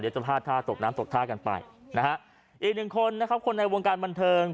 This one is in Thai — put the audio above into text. จะพลาดท่าตกน้ำตกท่ากันไปนะฮะอีกหนึ่งคนนะครับคนในวงการบันเทิง